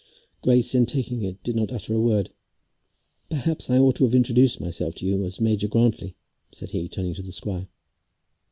Grace in taking it did not utter a word. "Perhaps I ought to have introduced myself to you as Major Grantly?" said he, turning to the squire.